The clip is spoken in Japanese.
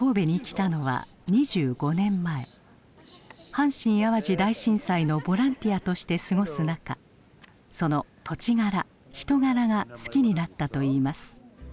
阪神・淡路大震災のボランティアとして過ごす中その土地柄人柄が好きになったといいます。